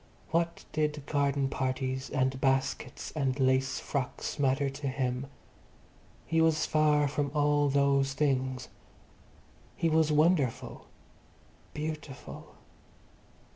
What did garden parties and baskets and lace frocks matter to him? He was far from all those things. He was wonderful, beautiful.